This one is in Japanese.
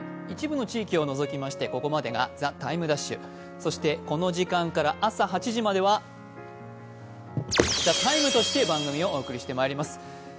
一部の地域を除きまして、ここまでが「ＴＩＭＥ’」、そしてこの時間から朝８時までは「ＴＨＥＴＩＭＥ，」として番組をお送りしてまいります。